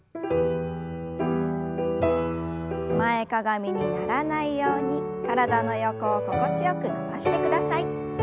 前かがみにならないように体の横を心地よく伸ばしてください。